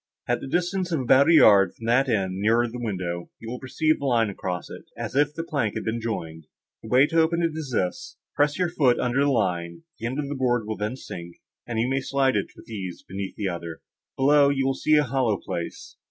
At the distance of about a yard from that end, nearer the window, you will perceive a line across it, as if the plank had been joined;—the way to open it is this:—Press your foot upon the line; the end of the board will then sink, and you may slide it with ease beneath the other. Below, you will see a hollow place."